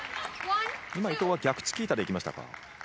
今、伊藤は逆チキータできましたか？